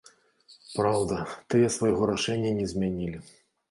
Праўда, тыя свайго рашэння не змянілі.